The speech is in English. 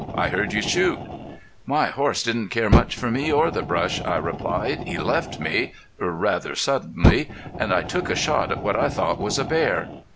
I heard you shoot." "My horse didn't care much for me or the brush," I replied. "He left me rather suddenly. And I took a shot at what I thought was a bear."